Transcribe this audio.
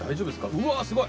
うわすごい！